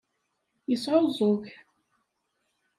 Yesɛuẓẓug.